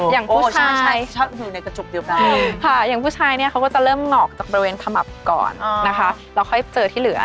อย่างผู้ชายอย่างผู้ชายเนี่ยเขาก็จะเริ่มงอกจากบริเวณขมับก่อนนะคะแล้วค่อยเจอที่เหลือ